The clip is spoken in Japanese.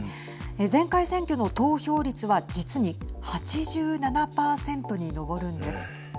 前回選挙の投票率は実に、８７％に上るんです。